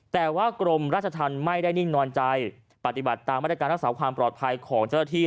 แต่ว่ากรมราชธรรมไม่ได้นิ่งนอนใจปฏิบัติตามมาตรการรักษาความปลอดภัยของเจ้าหน้าที่